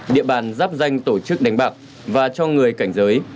địa bàn giáp danh tổ chức đánh bạc và cho người cảnh giới